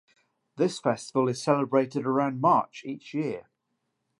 This festival is celebrated around March each year.